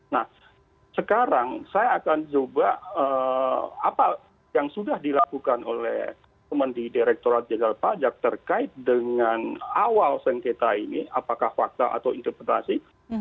nah sekarang saya akan coba apa yang sudah dilakukan oleh teman di direkturat jenderal pajak terkait dengan awal sengketa ini apakah fakta atau interpretasi